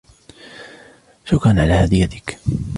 شكرا على هديتك.